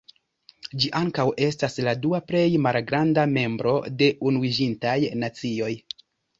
Ĝi ankaŭ estas la dua plej malgranda membro de Unuiĝintaj Nacioj.